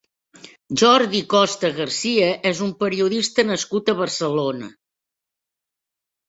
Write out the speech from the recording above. Jordi Costa Garcia és un periodista nascut a Barcelona.